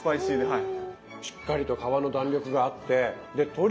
はい。